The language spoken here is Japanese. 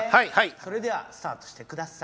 それではスタートしてください。